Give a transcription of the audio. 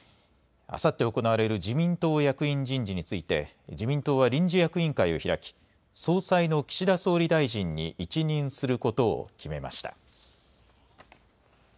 あさって行われる自民党役員人事について、自民党は臨時役員会を開き、総裁の岸田総理大臣に一任することを決めました。